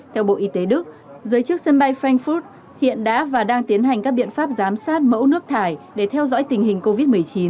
theo bộ y tế đức giới chức sân bay frankfurt hiện đã và đang tiến hành các biện pháp giám sát mẫu nước thải để theo dõi tình hình covid một mươi chín